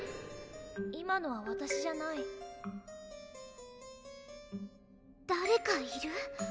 今のはわたしじゃない誰かいる？